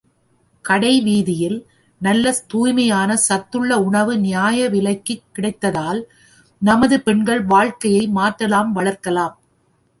கடைவீதியில் நல்ல தூய்மையான சத்துள்ள உணவு நியாய விலைக்குக் கிடைத்தால் நமது பெண்கள் வாழ்க்கையை மாற்றலாம் வளர்க்கலாம்.